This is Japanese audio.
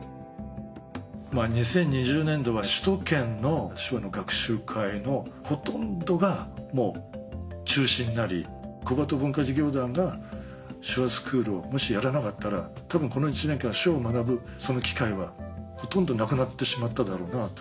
２０２０年度は首都圏の手話の学習会のほとんどが中止になり小鳩文化事業団が手話スクールをもしやらなかったら多分この１年間は手話を学ぶその機会はほとんどなくなってしまっただろうなと。